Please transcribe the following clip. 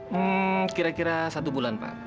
hmm kira kira satu bulan pak